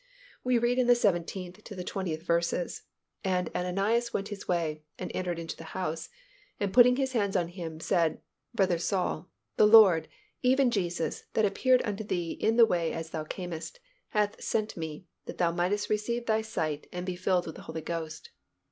We read in the seventeenth to the twentieth verses, "And Ananias went his way, and entered into the house; and putting his hands on him said, Brother Saul, the Lord, even Jesus, that appeared unto thee in the way as thou camest, hath sent me, that thou mightest receive thy sight, and be filled with the Holy Ghost.